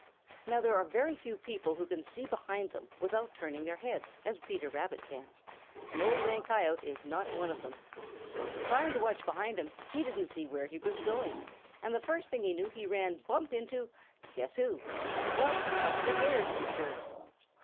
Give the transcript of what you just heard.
Now there are very few people who can see behind them without turning their heads as Peter Rabbit can, and Old Man Coyote is not one of them. Trying to watch behind him, he didn't see where he was going, and the first thing he knew he ran bump into guess who! Why, Buster Bear, to be sure.